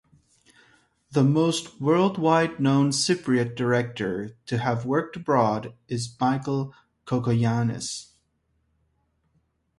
The most worldwide known Cypriot director, to have worked abroad, is Michael Cacoyannis.